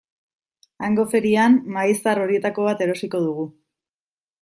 Hango ferian mahai zahar horietako bat erosiko dugu.